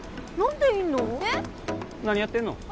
何でいんの？